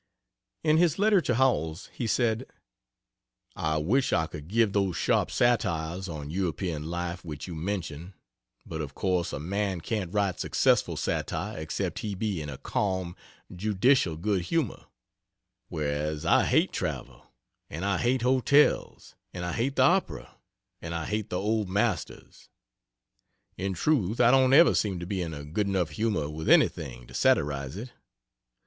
In his letter to Howells he said: "I wish I could give those sharp satires on European life which you mention, but of course a man can't write successful satire except he be in a calm, judicial good humor; whereas I hate travel, and I hate hotels, and I hate the opera, and I hate the old masters. In truth, I don't ever seem to be in a good enough humor with anything to satirize it.